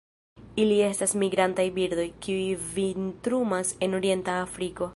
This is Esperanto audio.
Ili estas migrantaj birdoj, kiuj vintrumas en orienta Afriko.